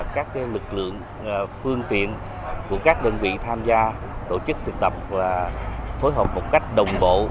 các lực lượng phương tiện của các đơn vị tham gia tổ chức thực tập và phối hợp một cách đồng bộ